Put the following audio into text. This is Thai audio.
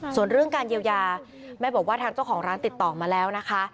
ส่วนเรื่องการเยียวยาแม่บอกว่าทางเจ้าของร้านติดต่อมาแล้วนะคะ